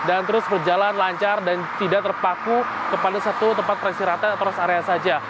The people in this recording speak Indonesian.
jalan tersebut terjalan lancar dan tidak terpaku kepada satu tempat rest area atau rest area saja